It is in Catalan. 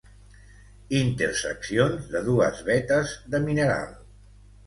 Interseccions de dues vetes de mineral.